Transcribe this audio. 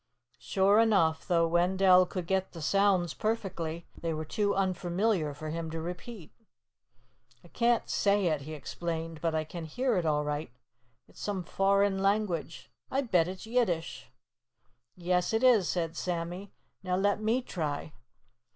Sure enough! Though Wendell could get the sounds perfectly, they were too unfamiliar for him to repeat. "I can't say it," he explained, "but I can hear it all right. It's some foreign language. I'll bet it's Yiddish." "Yes, it is," said Sammy. "Now let me try."